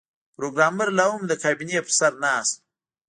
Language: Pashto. پروګرامر لاهم د کابینې پر سر ناست و